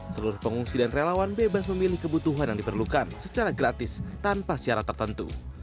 seluruh pengungsi dan relawan bebas memilih kebutuhan yang diperlukan secara gratis tanpa syarat tertentu